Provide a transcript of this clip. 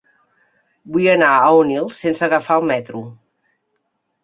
Vull anar a Onil sense agafar el metro.